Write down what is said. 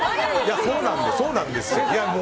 そうなんですよ。